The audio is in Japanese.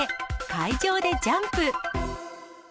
海上でジャンプ。